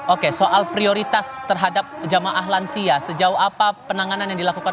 oke soal prioritas terhadap jemaah lansia sejauh apa penanganan yang dilakukan